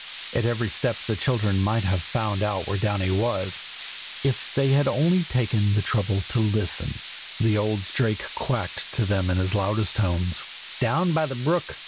at every step the children might have found out where Downy was, if they had only taken the trouble to listen. The old Drake quacked to them in his loudest tones: "down by the brook!